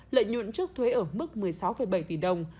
lợi nhuận trước thuế ở mức một mươi sáu bảy tỷ đồng